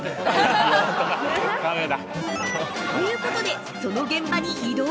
◆ということで、その現場に移動。